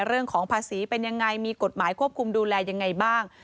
เรื่องของภาษีเป็นยังไงมีกฎหมายควบคุมดูแลยังไงบ้าง